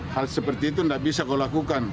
hal seperti itu tidak bisa kau lakukan